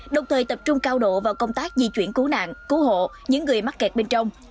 đồng thời tập trung cao độ vào công tác di chuyển cứu nạn cứu hộ những người mắc kẹt bên trong